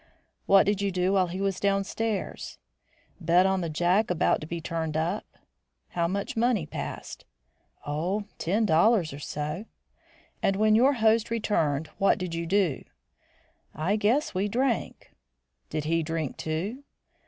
"What did you do while he was downstairs?" "Bet on the Jack about to be turned up." "How much money passed?" "Oh, ten dollars or so." "And when your host returned, what did you do?" "I guess we drank." "Did he drink too?"